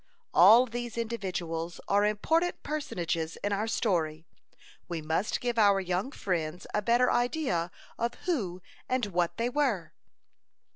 As these individuals are important personages in our story, we must give our young friends a better idea of who and what they were.